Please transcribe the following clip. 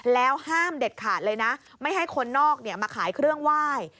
แล้วห้ามเด็ดขาดเลยนะไม่ให้คนนอกมาขายเครื่องไหว้